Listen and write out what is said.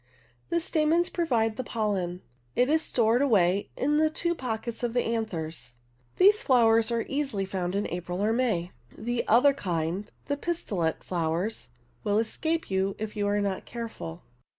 The stamens provide the J. away in the two pockets of the anthers. These flowers are easily found in April or May. The other kind, the pistillate flowers, will escape you if you are not careful.